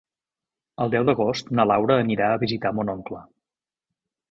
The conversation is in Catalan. El deu d'agost na Laura anirà a visitar mon oncle.